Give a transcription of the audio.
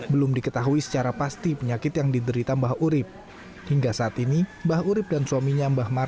belum diketahui secara pasti penyakit yang diterima